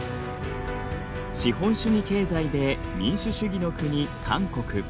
資本主義経済で民主主義の国韓国。